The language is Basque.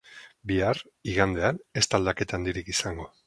Bihar, igandean, ez da aldaketa handirik izango.